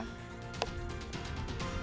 kepergian didi kempot